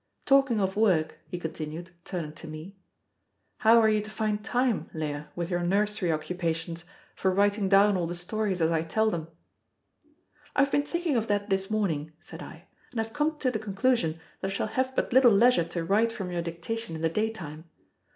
"Talking of work," he continued, turning to me, "how are you to find time, Leah, with your nursery occupations, for writing down all the stories as I tell them?" "I have been thinking of that this morning," said I, "and have come to the conclusion that I shall have but little leisure to write from your dictation in the day time.